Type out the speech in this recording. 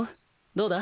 どうだ？